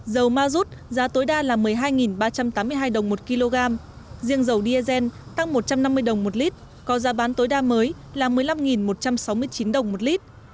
dầu ma rút giá tối đa là một mươi hai ba trăm tám mươi hai đồng một kg riêng dầu diesel tăng một trăm năm mươi đồng một lít có giá bán tối đa mới là một mươi năm một trăm sáu mươi chín đồng một lít